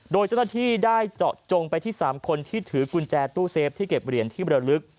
โดยเจ้าหน้าที่ได้เจาะจงไปที่๓คนที่ถือกุญแจตู้เซฟที่เก็บเหรียญที่บรรลึก